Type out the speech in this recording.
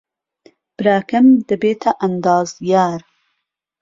براکەم دەبێتە ئەندازیار.